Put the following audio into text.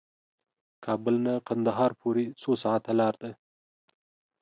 کابل نه قندهار پورې څو ساعته لار ده؟